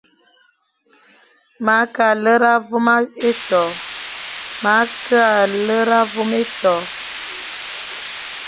Ma kʼa lera vôm éto.